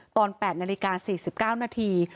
ตอน๘นาฬิกา๔๙นาที